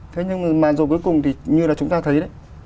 thế nhưng mà rồi cuối cùng thì như là chúng ta thấy đấy